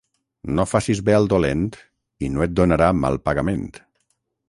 No facis bé al dolent i no et donarà mal pagament.